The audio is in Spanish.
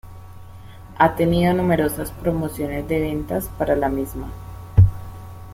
Ha tenido numerosas promociones de ventas para la misma.